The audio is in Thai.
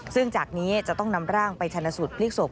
ซึ่งจากนี้จะต้องนำร่างไปชาญสุทธิ์ปลิ๊กศพ